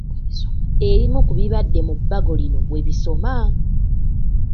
Ebimu ku bibadde mu bbago lino bwe bisoma.